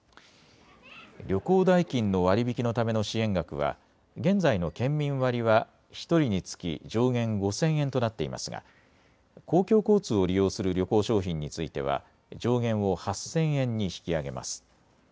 旅行代金の割り引きのための支援額は現在の県民割は１人につき上限５０００円となっていますが公共交通を利用する旅行商品については上限を８０００円に引き上げます。